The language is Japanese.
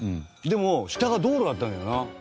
でも下が道路だったんだよな。